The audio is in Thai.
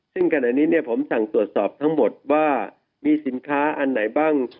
ซึ่งขณะนี้เนี่ยผมสั่งตรวจสอบทั้งหมดว่ามีสินค้าอันไหนบ้าง